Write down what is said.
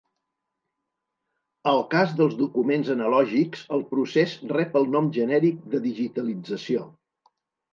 Al cas dels documents analògics, el procés rep el nom genèric de digitalització.